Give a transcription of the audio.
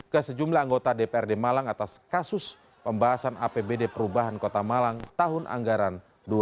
ke sejumlah anggota dprd malang atas kasus pembahasan apbd perubahan kota malang tahun anggaran dua ribu dua puluh